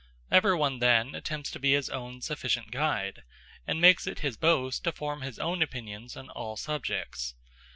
Everyone then attempts to be his own sufficient guide, and makes it his boast to form his own opinions on all subjects.